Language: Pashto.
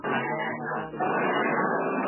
د کندهارپه صنعت کي د کارګرو روزنه څنګه کېږي؟